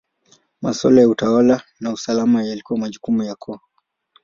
Maswala ya utawala na usalama yalikuwa majukumu ya koo.